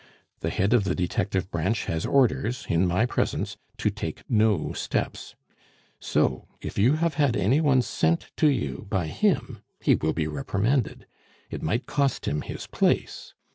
The Head of the detective branch has orders, in my presence, to take no steps; so if you have had any one sent to you by him, he will be reprimanded. It might cost him his place.